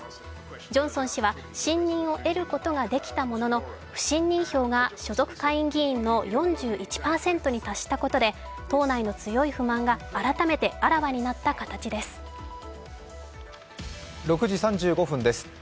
ジョンソン氏は信任を得ることができたものの不信任票が所属下院議員の４１％に達したことで党内の強い不満が改めてあらわになった形です。